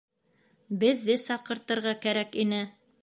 Беҙҙе саҡыртырға кәрәк ине.